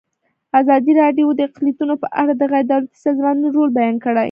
ازادي راډیو د اقلیتونه په اړه د غیر دولتي سازمانونو رول بیان کړی.